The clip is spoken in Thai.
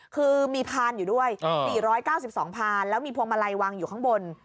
คือมีพานอยู่ด้วย๔๙๒พานแล้วมีพวงมาลัยวางอยู่ข้างบน